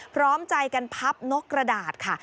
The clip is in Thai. พร้อมใจกันพับนกกระดาษค่ะ